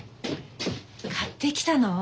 買ってきたの？